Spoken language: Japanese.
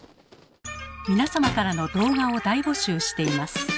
皆様からの動画を大募集しています。